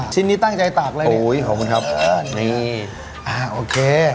ชิ้นนี้ตั้งใจตากเลยนะอุ้ยขอบคุณครับนี่อ่าโอเค